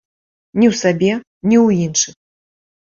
Ні ў сабе, ні ў іншых.